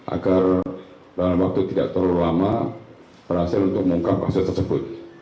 agar dalam waktu tidak terlalu lama berhasil untuk mengungkap kasus tersebut